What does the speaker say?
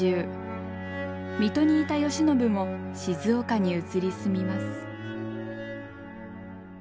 水戸にいた慶喜も静岡に移り住みます。